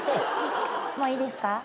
もういいですか？